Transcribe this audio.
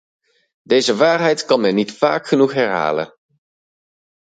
Deze waarheid kan men niet vaak genoeg herhalen.